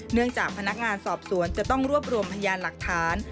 จากพนักงานสอบสวนจะต้องรวบรวมพยานหลักฐาน